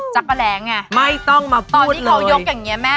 จักรแหลงไงตอนที่เขายกอย่างนี้แม่ไม่ต้องมาพูดเลย